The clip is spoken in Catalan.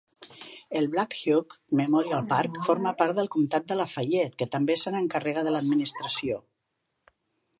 El Blackhawk Memorial Park forma part del comtat de Lafayette, que també se n'encarrega de l'administració.